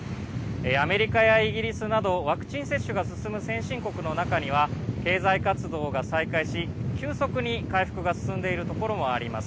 アメリカやイギリスなどワクチン接種が進む先進国の中には経済活動が再開し急速に回復が進んでいるところもあります。